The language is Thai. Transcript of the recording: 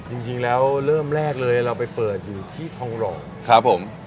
จริงแล้วเริ่มแรกเลยเราไปเปิดอยู่ที่ทองหล่อครับผม